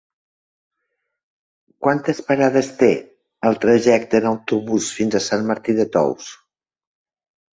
Quantes parades té el trajecte en autobús fins a Sant Martí de Tous?